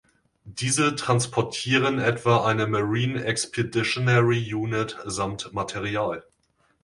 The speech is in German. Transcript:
Diese transportieren etwa eine Marine Expeditionary Unit samt Material.